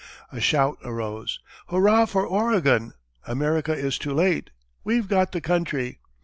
A shout arose: "Hurrah for Oregon! America is too late! We've got the country!"